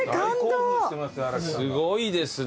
すごいですね。